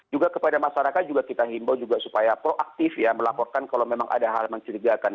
juga kepada masyarakat juga kita himbau supaya proaktif melaporkan kalau memang ada hal menceritakan